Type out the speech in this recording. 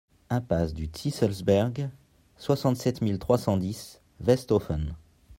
Impasse du Zieselsberg, soixante-sept mille trois cent dix Westhoffen